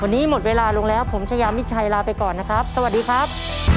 วันนี้หมดเวลาลงแล้วผมชายามิดชัยลาไปก่อนนะครับสวัสดีครับ